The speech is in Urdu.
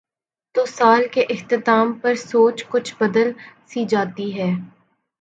تو سال کے اختتام پر سوچ کچھ بدل سی جاتی ہے۔